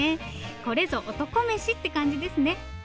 これぞ男メシって感じですね。